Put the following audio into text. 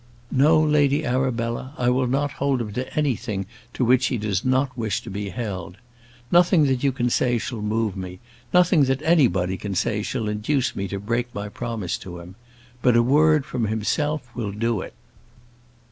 "No, Lady Arabella; I will not hold him to anything to which he does not wish to be held. Nothing that you can say shall move me: nothing that anybody can say shall induce me to break my promise to him. But a word from himself will do it.